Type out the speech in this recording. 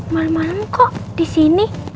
malem malem kok disini